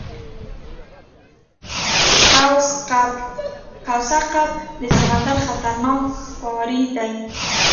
کوسه کب د سمندر خطرناک ښکاری دی